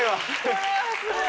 これはすごい！